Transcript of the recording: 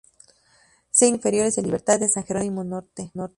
Se inició en las inferiores de Libertad de San Jerónimo Norte.